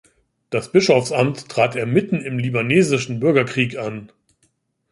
Das Bischofsamt trat er mitten im Libanesischen Bürgerkrieg an.